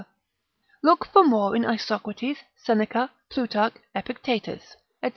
Look for more in Isocrates, Seneca, Plutarch, Epictetus, &c.